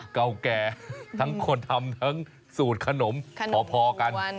เก่าแก่ทั้งคนทำทั้งสูตรขนมพอกัน